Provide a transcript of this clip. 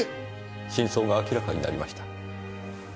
真相が明らかになりました。